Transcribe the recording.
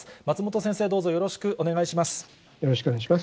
松本先生、よろしくお願いします。